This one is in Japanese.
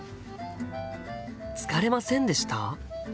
「疲れませんでした？」。